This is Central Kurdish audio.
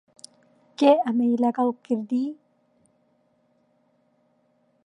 کێ ئەمەی لەگەڵ کردی؟